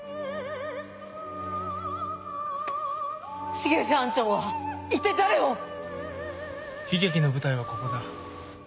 重藤班長は一体誰を⁉悲劇の舞台はここだ。